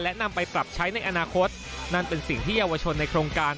และนำไปปรับใช้ในอนาคตนั่นเป็นสิ่งที่เยาวชนในโครงการ